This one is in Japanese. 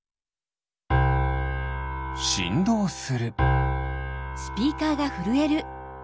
しんどうする。